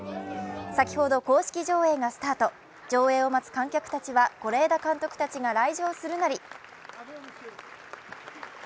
先ほど公式上映がスタート、上映を待つ観客たちは、是枝監督たちが来場するなり